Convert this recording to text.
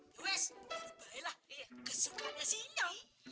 yowes ubahin lah kesukaannya si nyong